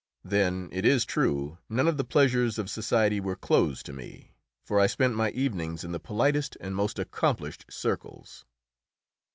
Then, it is true, none of the pleasures of society were closed to me, for I spent my evenings in the politest and most accomplished circles.